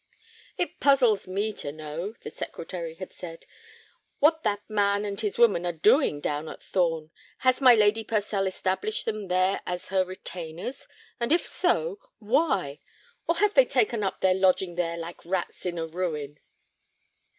"It puzzles me to know," the Secretary had said, "what that man and his woman are doing down at Thorn. Has my Lady Purcell established them there as her retainers, and if so—why? Or have they taken up their lodging there like rats in a ruin?"